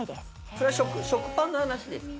それは食パンの話ですか？